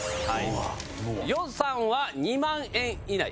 予算は２万円以内。